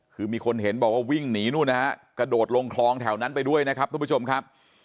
คือมีคนเห็นบอกว่าวิ่งหนีนู่นนะฮะกระโดดลงคลองแถวนั้นไปด้วยนะครับทุกผู้ชมครับ